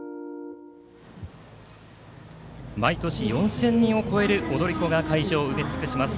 毎年４０００人を超える踊り子が会場を埋め尽くします